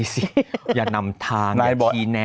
คุณนิทอย่านำทางยังขี้แนะ